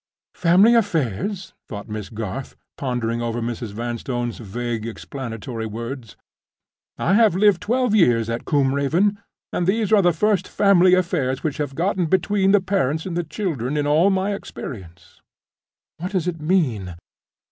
"Family affairs?" thought Miss Garth, pondering over Mrs. Vanstone's vague explanatory words. "I have lived twelve years at Combe Raven; and these are the first family affairs which have got between the parents and the children, in all my experience. What does it mean?